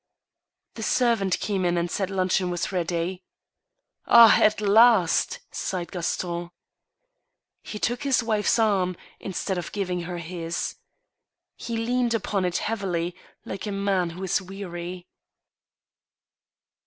The servant came in and said luncheon was ready. " Ah ! at last !" sighed Gaston. He took his wife's arm, instead of giving her his. He leaned upon it heavily, like a man who is weary.